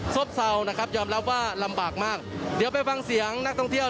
ซบเศร้านะครับยอมรับว่าลำบากมากเดี๋ยวไปฟังเสียงนักท่องเที่ยว